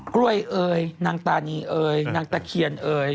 กล้วยเอ่ยนางตานีเอ่ยนางตะเคียนเอ่ย